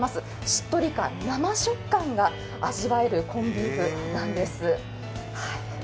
しっとり感、生食感が味わえるコンビーフなんです。